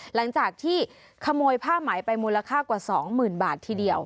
หลังจากที่ขโมยผ้าไหมไปมูลค่ากว่า๒๐๐๐บาททีเดียว